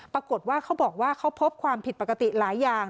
ปรากฏว่าเขาบอกว่าเขาพบความผิดปกติหลายอย่าง